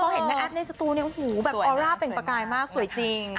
พอเห็นแม่แอ๊บในสตูเนี่ยโอ้โหแบบออร่าเปล่งประกายมากสวยจริง